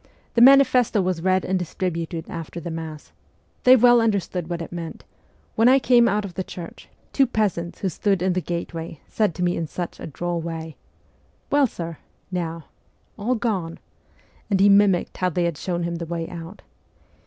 The manifesto was read and distributed after the Mass. They well understood what it meant : when I came out of the church, two peasants, who stood in the gateway, said to me in such a droll way, "Well, sir? now all gone?" 'And he mimicked how they had shown him the way out.